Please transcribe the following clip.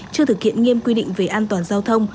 chưa thực hiện nghiêm quy định về an toàn giao thông